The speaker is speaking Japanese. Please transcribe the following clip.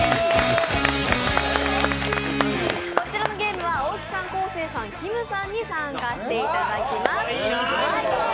こちらのゲームは大木さん、昴生さん、きむさんに参加していただきます。